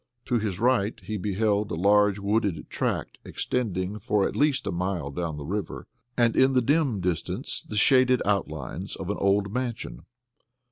To his right he beheld a large wooded tract extending for at least a mile down the river, and in the dim distance the shaded outlines of an old mansion.